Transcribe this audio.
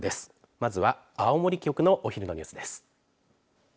まずは青森局のお昼のニュースです。